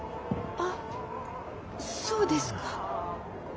あそうですか。